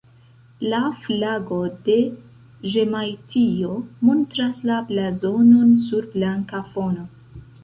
La flago de Ĵemajtio montras la blazonon sur blanka fono.